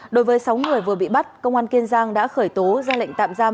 đối với sáu người vừa bị bắt công an tp hcm đã khởi tố ra lệnh tạm giam